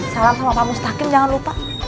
salam sama pak mustaqim jangan lupa